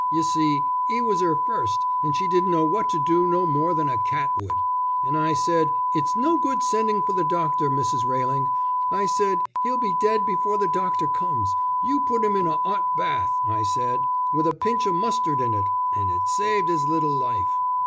You see, 'e was 'er first and she didn't know what to do no more than a cat would. And I said: 'It's no good sending for the doctor, Mrs. Railing,' I said, 'he'll be dead before the doctor comes. You put 'im in a 'ot bath,' I said, 'with a pinch of mustard in it.' And it saved 'is little life."